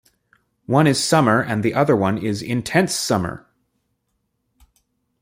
One is summer and the other one is intense summer!!